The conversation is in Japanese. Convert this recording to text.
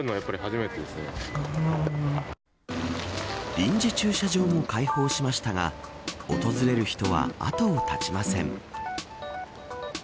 臨時駐車場も開放しましたが訪れる人は後を絶ちません。